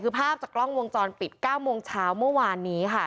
คือภาพจากกล้องวงจรปิด๙โมงเช้าเมื่อวานนี้ค่ะ